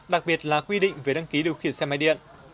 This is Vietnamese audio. đặc biệt là quy định về đăng ký điều khiển xe máy điện